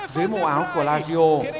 dưới mẫu áo của lazio